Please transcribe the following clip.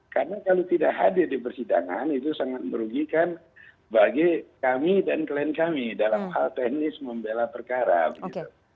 karena kalau tidak hadir di persidangan itu sangat merugikan bagi kami dan klien kami dalam hal teknis membela perkara begitu